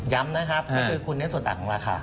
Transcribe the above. นะครับก็คือคุณเน้นส่วนต่างของราคา